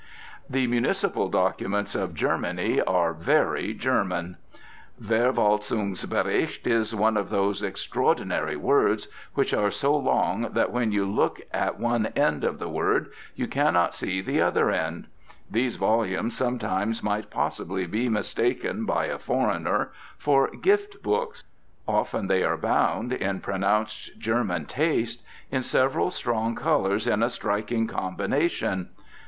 The municipal documents of Germany are very German. Verwaltungsbericht is one of those extraordinary words which are so long that when you look at one end of the word you cannot see the other end. These volumes sometimes might possibly be mistaken, by a foreigner, for "gift books." Often they are bound, in pronounced German taste, in several strong colours in a striking combination.